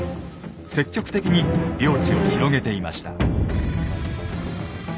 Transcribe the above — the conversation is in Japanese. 積極的に領地を広げていました。